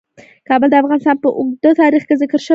کابل د افغانستان په اوږده تاریخ کې ذکر شوی دی.